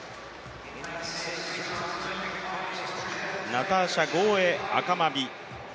ナターシャ・ゴーエアカマビ。